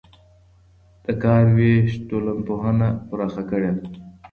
د کار وېش ټولنپوهنه پراخه کړې ده.